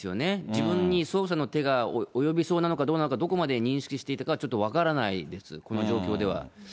自分に捜査の手が及びそうなのかどうなのか、どこまで認識していたかは、ちょっと分からないです、この状況ではあります。